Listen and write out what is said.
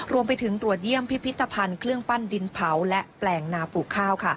รวมไปถึงตรวจเยี่ยมพิพิธภัณฑ์เครื่องปั้นดินเผาและแปลงนาปลูกข้าว